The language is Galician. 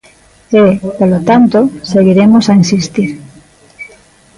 E, polo tanto, seguiremos a insistir.